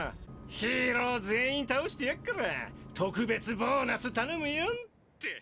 ヒーロー全員倒してやっから特別ボーナス頼むよんって。